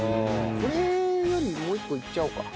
これよりもう一個いっちゃおうか。